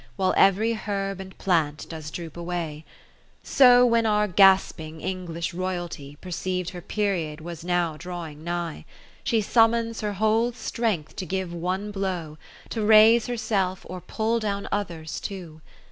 While every herb and plant does droop away : 10 So when ourgasping English Royalty Perceiv'd her period was now drawing nigh, (515) Ll She summons her whole strength to give one blow. To raise herself, or pull down others too.